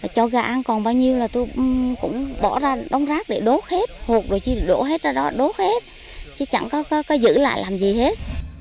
còn bao nhiêu là tôi cũng bỏ ra đống rác để đốt hết hột rồi chứ đổ hết ra đó đốt hết chứ chẳng có giữ lại làm gì hết